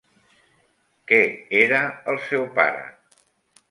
Què era el seu pare?